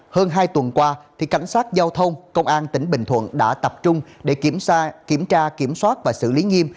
hơn hai tuần qua cảnh sát giao thông công an tỉnh bình thuận đã tập trung để kiểm tra kiểm tra kiểm soát và xử lý nghiêm